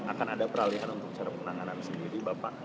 akan ada peralihan untuk cara penanganan sendiri bapak